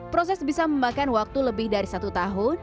proses bisa memakan waktu lebih dari satu tahun